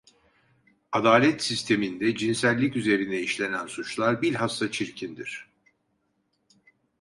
Adalet sisteminde cinsellik üzerine işlenen suçlar bilhassa çirkindir.